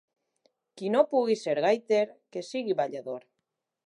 Qui no pugui ser gaiter, que sigui ballador.